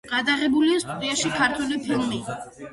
გადაღებულია სტუდიაში ქართული ფილმი.